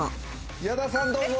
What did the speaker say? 矢田さんどうぞ。